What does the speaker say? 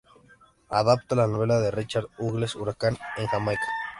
Adapta la novela de Richard Hughes "Huracán en Jamaica".